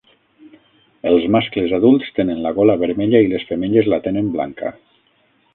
Els mascles adults tenen la gola vermella i les femelles la tenen blanca.